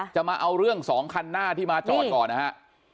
มาเอาเรื่อง๒คันหน้าที่มาจอดก่อนนะฮะ